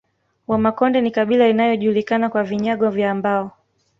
Wamakonde ni kabila inayojulikana kwa vinyago vya mbao